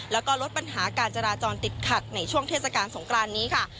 แล้วก็ลดปัญหาการจราจรติดขัดในช่วงเทศกาลสงครานนี้ค่ะ